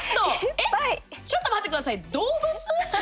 え、ちょっと待ってください動物？